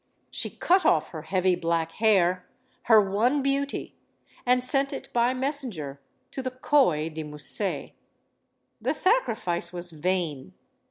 She cut off her heavy black hair her one beauty and sent it by messenger to the coy de Musset. The sacrifice was vain.